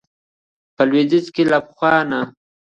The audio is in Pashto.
په لويديځ کې له پخوا نه